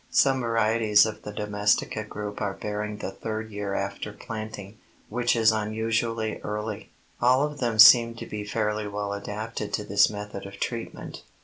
Some varieties of the Domestica group are bearing the third year after planting, which is unusually early. All of them seem to be fairly well adapted to this method of treatment.